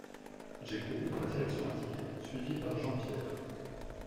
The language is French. J’ai couru dans la direction indiquée, suivi par Jean-Pierre.